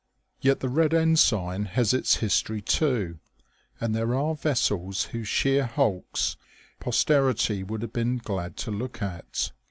Yet the red ensign has its history toD, and there are vessels whose sheer hulks posterity would have been glad to look at.